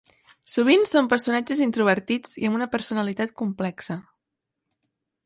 Sovint són personatges introvertits i amb una personalitat complexa.